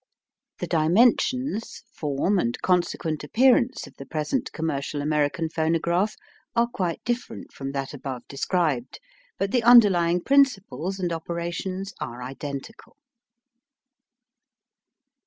The dimensions, form, and consequent appearance of the present commercial American phonograph are quite different from that above described, but the underlying principles and operations are identical.